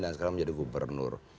dan sekarang menjadi gubernur